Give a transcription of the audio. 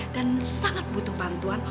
dan sangat butuh bantuan